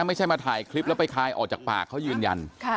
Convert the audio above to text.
ไม่ใช่มาถ่ายคลิปแล้วไปคลายออกจากปากเขายืนยัน